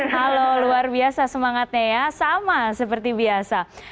halo luar biasa semangatnya ya sama seperti biasa